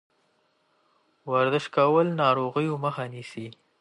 ورزش کول د ناروغیو مخه نیسي.